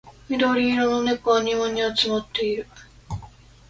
緑色の猫が庭に集まっている